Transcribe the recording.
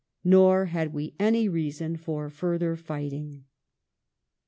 Nor had we any reason for further fighting.